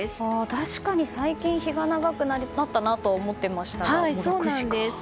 確かに最近日が長くなったなと思っていましたが６時か。